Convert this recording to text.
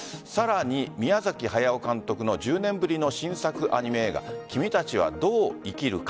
宮崎駿監督の１０年ぶりの新作アニメ映画「君たちはどう生きるか」